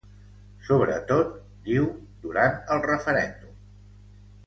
Sobretot, diu, durant el referèndum.